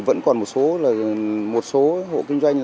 vẫn còn một số hộ kinh doanh